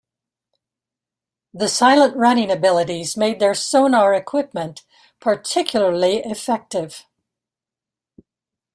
The silent running abilities made their sonar equipment particularly effective.